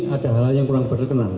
ada hal hal yang kurang berkenan